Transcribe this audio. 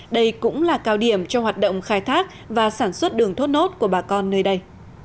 đây cũng là cao điểm cho hoạt động khai thác và sản xuất đường thốt nốt của bà con nơi đây